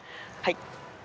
はい。